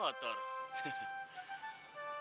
kotor karena membersihkan rumah allah